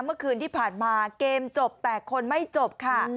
เมื่อคืนที่ผ่านมาเกมจบแต่คนไม่จบค่ะ